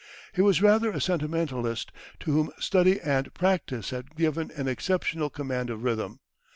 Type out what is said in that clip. He was rather a sentimentalist to whom study and practice had given an exceptional command of rhythm.